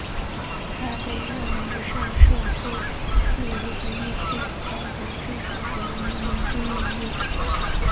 他被认为是社会自由主义最早的支持者与领军人物。